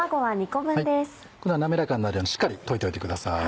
これは滑らかになるようにしっかり溶いておいてください。